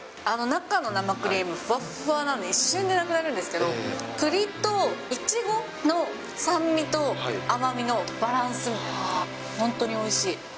中の生クリーム、ふわっふわなので、一瞬でなくなるんですけれども、くりといちごの酸味と甘みのバランスが、本当においしい。